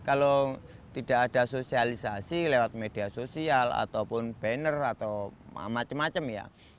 kalau tidak ada sosialisasi lewat media sosial ataupun banner atau macam macam ya